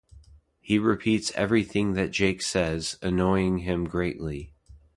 He repeats everything that Jake says, annoying him greatly.